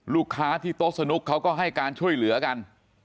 ลูกค้าที่โต๊ะสนุกเขาก็ให้การช่วยเหลือกัน